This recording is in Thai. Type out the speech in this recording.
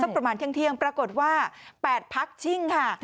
ประมาณเที่ยงปรากฏว่า๘พักชิ่งค่ะ